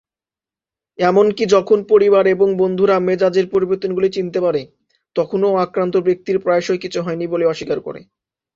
এমনকি যখন পরিবার এবং বন্ধুরা মেজাজের পরিবর্তনগুলি চিনতে পারে, তখনও আক্রান্ত ব্যক্তি প্রায়শই কিছু হয়নি বলে অস্বীকার করে।